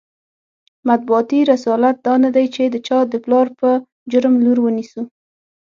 مطبوعاتي رسالت دا نه دی چې د چا د پلار په جرم لور ونیسو.